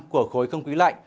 của khối không khí lạnh